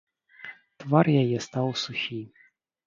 Твар яе стаў сухі.